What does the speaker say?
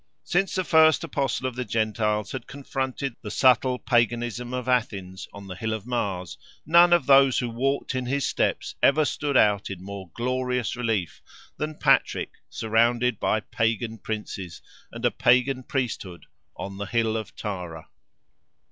Since the first Apostle of the Gentiles had confronted the subtle Paganism of Athens, on the hill of Mars, none of those who walked in his steps ever stood out in more glorious relief than Patrick, surrounded by Pagan Princes, and a Pagan Priesthood, on the hill of Tara.